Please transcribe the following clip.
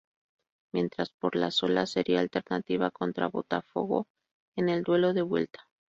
Mientras por la solo sería alternativa contra Botafogo en el duelo de vuelta.